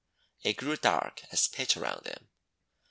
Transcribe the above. It grew dark as pitch around him.